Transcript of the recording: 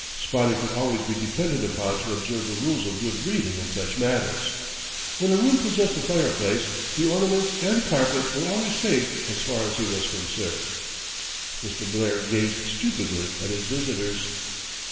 Spotty could always be depended upon to observe the rules of good breeding in such matters. When a room possessed a fireplace, the ornaments and carpet were always safe as far as he was concerned. Mr. Blair gazed stupidly at his visitors.